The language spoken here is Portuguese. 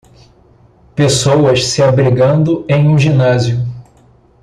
Pessoas se abrigando em um ginásio